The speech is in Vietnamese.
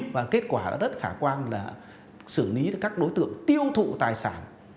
và kết quả rất khả quan là xử lý các đối tượng tiêu thụ tài sản